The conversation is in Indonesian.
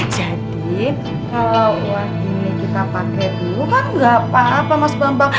jadi kalau uang ini kita pakai dulu kan gak apa apa mas bambang